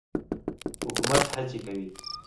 حکومت هڅې کوي.